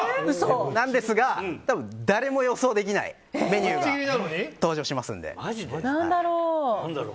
なんですが、多分誰も予想できないメニューが登場しますので。